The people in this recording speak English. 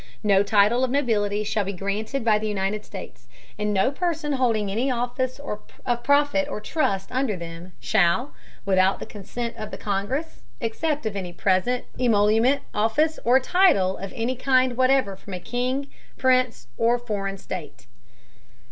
No Title of Nobility shall be granted by the United States: And no Person holding any Office of Profit or Trust under them, shall, without the Consent of the Congress, accept of any present, Emolument, Office, or Title, of any kind whatever, from any King, Prince, or foreign State.